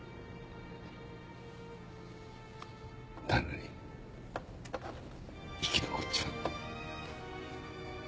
なのに生き残っちまった。